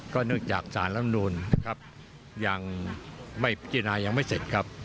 ก็เนื่องจากสารรัฐธรรมนูลครับอย่างพิจารณายังไม่เสร็จครับ